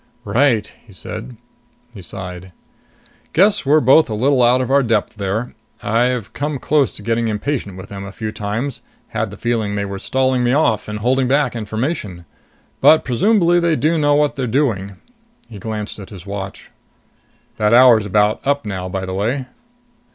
"Right," he said. He sighed. "Guess we're both a little out of our depth there. I've come close to getting impatient with them a few times had the feeling they were stalling me off and holding back information. But presumably they do know what they're doing." He glanced at his watch. "That hour's about up now, by the way."